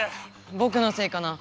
ぼくのせいかな。